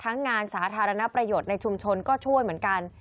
ในชุมชนก็ช่วยเหมือนกัน